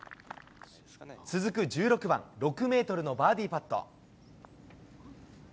続く１６番、６メートルのバーディーパット。